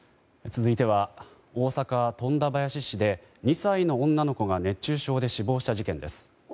続いては大阪・富田林市で２歳の女の子が熱中症で死亡した事件です。